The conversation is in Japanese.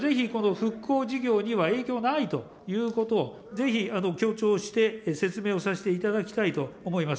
ぜひこの復興事業には、影響ないということをぜひ強調して、説明をさせていただきたいと思います。